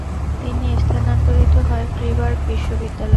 তিনি স্থানান্তরিত হয় ফ্রিবার্গ বিশ্ববিদ্যালয়ে ।